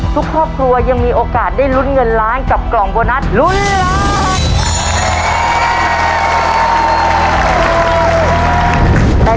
ทุกครอบครัวยังมีโอกาสได้ลุ้นเงินล้านกับกล่องโบนัสลุ้นล้าน